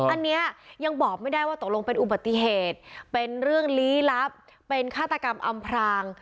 อันนี้ยังบอกไม่ได้ว่าตกลงเป็นอุบัติเหตุเป็นเรื่องลี้ลับเป็นฆาตกรรมอำพราง